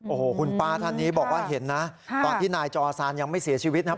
โอ้โหคุณป้าท่านนี้บอกว่าเห็นนะตอนที่นายจอซานยังไม่เสียชีวิตนะครับ